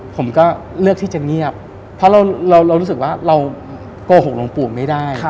ผมก็เลือกที่จะเงียบเพราะเรารู้สึกว่าเราโกหกหลวงปู่ไม่ได้